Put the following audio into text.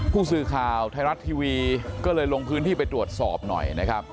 ผู้สือคาวไทรัตร์ทีวีก็เลยลงพื้นที่ไปตรวจสอบหน่อย